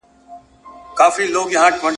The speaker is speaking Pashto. عبدالباري جهاني: څرنګه شعر ولیکو؟ `